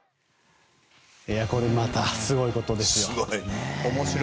これまたすごいことですよ。